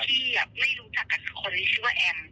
ที่ไม่รู้จักกับคนที่ชื่อว่าแอม